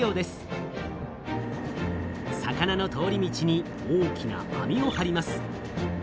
魚の通り道に大きなあみをはります。